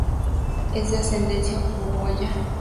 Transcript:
Es de ascendencia uruguaya.